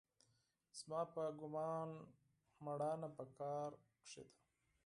زما په ګومان مېړانه په کار کښې ده.